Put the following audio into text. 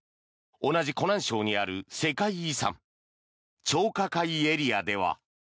同じ湖南省にある世界遺産、張家界エリアでは。